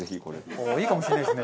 ああいいかもしれないですね。